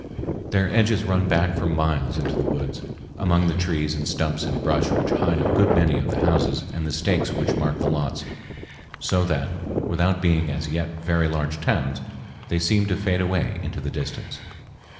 Their edges run back for miles into the woods among the trees and stumps and brush which hide a good many of the houses and the stakes which mark the lots; so that, without being as yet very large towns, they seem to fade away into the distance.